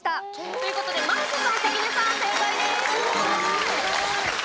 ということで真麻さん、関根さん正解です。